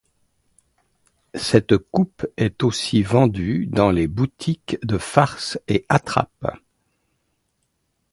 Cette coupe est aussi vendue dans les boutiques de farces et attrapes.